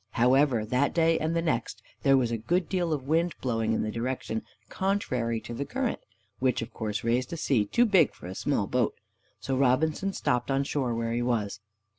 However, that day and the next, there was a good deal of wind blowing in the direction contrary to the current, which, of course, raised a sea too big for a small boat, so Robinson stopped on shore where he was.